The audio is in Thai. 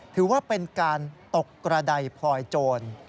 ถือว่าเป็นการตกกระดายพลอยโจร